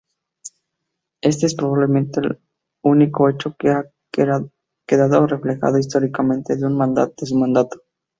Este es probablemente el único hecho que ha quedado reflejado históricamente de su mandato.